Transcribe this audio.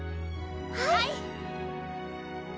はい！